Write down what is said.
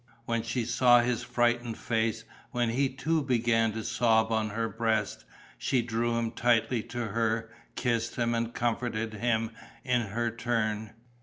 When she saw his frightened face, when he too began to sob on her breast, she drew him tightly to her, kissed him and comforted him in her turn.